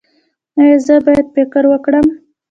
ایا زه باید فکر وکړم؟